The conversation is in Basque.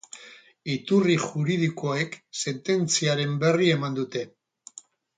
Iturri juridikoek sententziaren berri eman dute.